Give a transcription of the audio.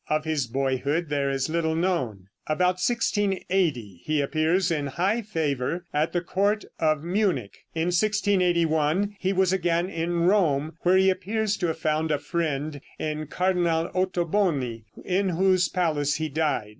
Of his boyhood there is little known. About 1680 he appears in high favor at the court of Munich. In 1681 he was again in Rome, where he appears to have found a friend in Cardinal Ottoboni, in whose palace he died.